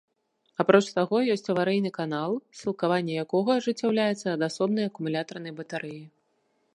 Апроч таго, ёсць аварыйны канал, сілкаванне якога ажыццяўляецца ад асобнай акумулятарнай батарэі.